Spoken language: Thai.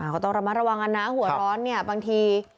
ก็ต้องระมัดระวังกันนะหัวร้อนเนี่ยบางที